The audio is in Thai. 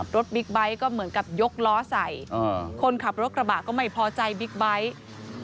บิ๊กไบท์ก็เหมือนกับยกล้อใส่คนขับรถกระบะก็ไม่พอใจบิ๊กไบท์